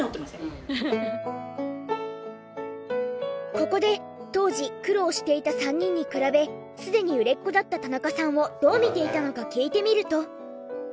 ここで当時苦労していた３人に比べすでに売れっ子だった田中さんをどう見ていたのか聞いてみると。